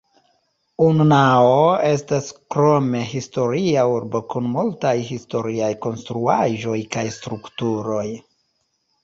Unnao estas krome historia urbo kun multaj historiaj konstruaĵoj kaj strukturoj.